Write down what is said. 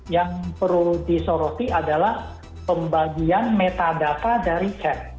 yang perlu disoroti adalah pembagian metadata dari cap